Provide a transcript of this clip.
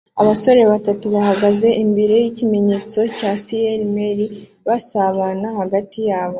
Abagore batatu bahagaze imbere yikimenyetso cya SallieMae basabana hagati yabo